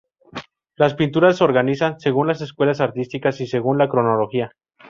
Las pinturas se organizan según las escuelas artísticas y según la cronología.